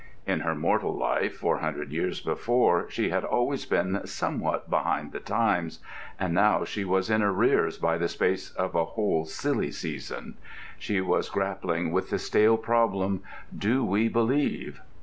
In her mortal life, four hundred years before, she had always been somewhat behind the times; and now she was in arrears by the space of a whole Silly Season. She was grappling with the stale problem, "Do we Believe?"